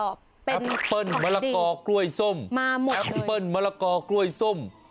แอปเปิ้ลมะละกอคล่วยส้ม